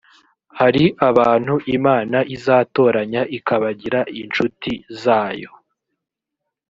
hari abantu imana itoranya ikabagira incuti zayo